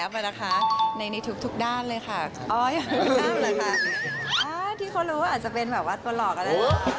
มีใครป่วยโป๊ะ